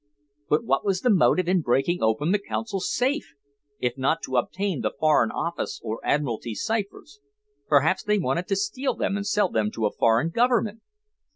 "But what was the motive in breaking open the Consul's safe, if not to obtain the Foreign Office or Admiralty ciphers? Perhaps they wanted to steal them and sell them to a foreign government?"